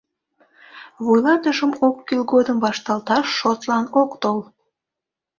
Вуйлатышым ок кӱл годым вашталташ шотлан ок тол.